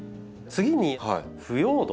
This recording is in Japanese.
次に「腐葉土」。